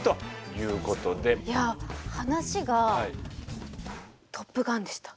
いやあ話が「トップガン」でした。